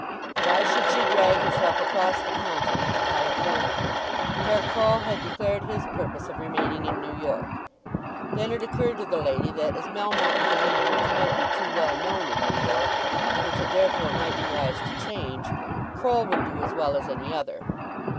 Why should she drag herself across the continent to California? Herr Croll had declared his purpose of remaining in New York. Then it occurred to the lady that as Melmotte was a name which might be too well known in New York, and which it therefore might be wise to change, Croll would do as well as any other.